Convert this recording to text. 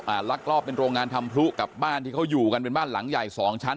ลักลอบเป็นโรงงานทำพลุกับบ้านที่เขาอยู่กันเป็นบ้านหลังใหญ่สองชั้น